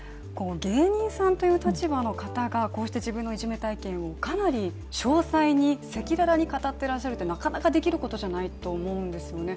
芸人さんという立場の方がこうして自分のいじめ体験をかなり詳細に赤裸々に語っていらっしゃるってなかなかできることじゃないと思うんですよね